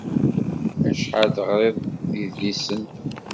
Acḥal teɣriḍ d idlisen?